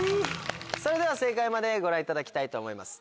それでは正解までご覧いただきたいと思います。